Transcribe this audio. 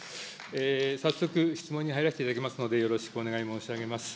早速、質問に入らせていただきますので、よろしくお願い申し上げます。